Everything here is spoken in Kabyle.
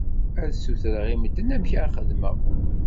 Ad sutreɣ i medden amek ad xedmeɣ.